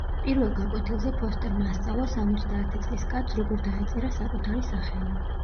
პირველ გაკვეთილზე ფოსტერმა ასწავლა სამოცდაათი წლის კაცს, როგორ დაეწერა საკუთარი სახელი.